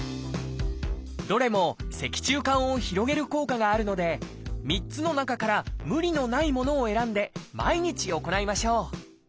どれも脊柱管を広げる効果があるので３つの中から無理のないものを選んで毎日行いましょう。